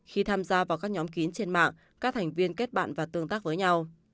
khi tham gia vào các nhóm kín trên mạng các thành viên kết bạn và tương tác với nhau